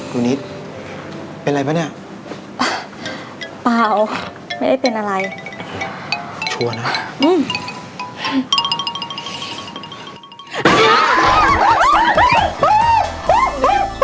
นิดเป็นอะไรป่ะเนี่ยเปล่าไม่ได้เป็นอะไรชัวร์นะอืม